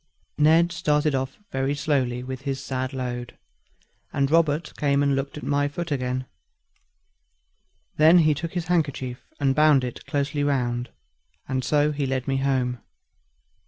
Ned started off very slowly with his sad load, and Robert came and looked at my foot again; then he took his handkerchief and bound it closely round, and so he led me home.